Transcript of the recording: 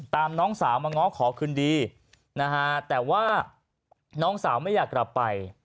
น้องสาวมาง้อขอคืนดีนะฮะแต่ว่าน้องสาวไม่อยากกลับไป